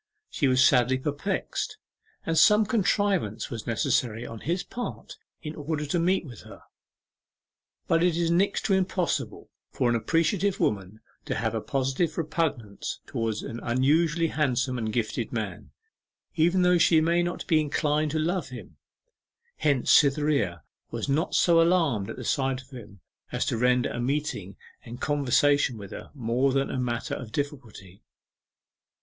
She was sadly perplexed, and some contrivance was necessary on his part in order to meet with her. But it is next to impossible for an appreciative woman to have a positive repugnance towards an unusually handsome and gifted man, even though she may not be inclined to love him. Hence Cytherea was not so alarmed at the sight of him as to render a meeting and conversation with her more than a matter of difficulty.